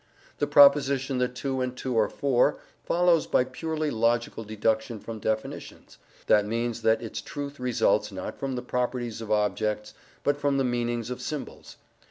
The proposition that two and two are four follows by purely logical deduction from definitions: that means that its truth results, not from the properties of objects, but from the meanings of symbols.